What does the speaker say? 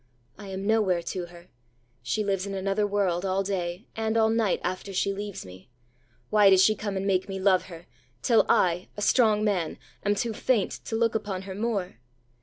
I am nowhere to her. She lives in another world all day, and all night, after she leaves me. Why does she come and make me love her, till I, a strong man, am too faint to look upon her more?